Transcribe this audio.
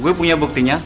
gue punya buktinya